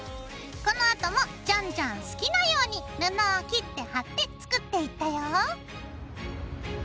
このあともじゃんじゃん好きなように布を切って貼って作っていったよ。